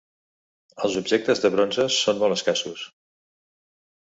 Els objectes de bronzes són molt escassos.